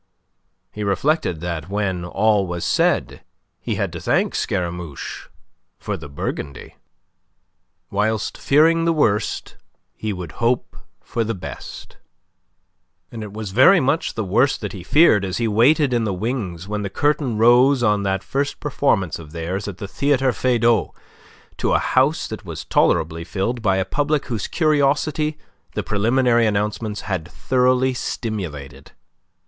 He reflected that, when all was said, he had to thank Scaramouche for the Burgundy. Whilst fearing the worst, he would hope for the best. And it was very much the worst that he feared as he waited in the wings when the curtain rose on that first performance of theirs at the Theatre Feydau to a house that was tolerably filled by a public whose curiosity the preliminary announcements had thoroughly stimulated.